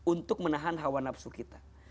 untuk menahan hawa nafsu kita